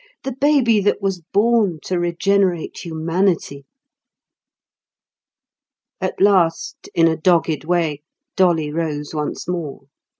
The baby that was born to regenerate humanity! At last, in a dogged way, Dolly rose once more.